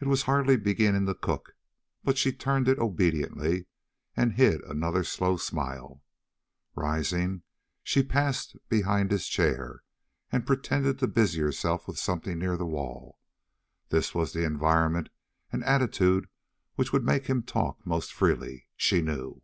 It was hardly beginning to cook, but she turned it obediently and hid another slow smile. Rising, she passed behind his chair, and pretended to busy herself with something near the wall. This was the environment and attitude which would make him talk most freely, she knew.